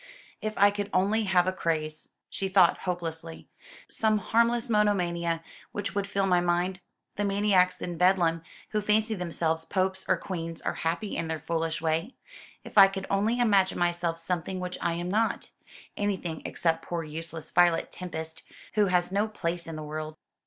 "If I could only have a craze," she thought hopelessly, "some harmless monomania which would fill my mind! The maniacs in Bedlam, who fancy themselves popes or queens, are happy in their foolish way. If I could only imagine myself something which I am not anything except poor useless Violet Tempest, who has no place in the world!"